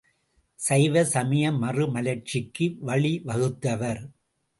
சைவ சமய மறுமலர்ச்சிக்கு வழிவகுத்தவர்.